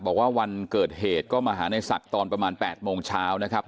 บอกว่าวันเกิดเหตุก็มาหาในศักดิ์ตอนประมาณ๘โมงเช้านะครับ